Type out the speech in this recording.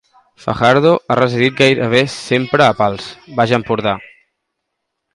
Fajardo ha residit gairebé sempre a Pals, Baix Empordà.